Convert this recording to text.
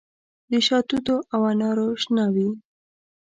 د شاتوتو او انارو شنه وي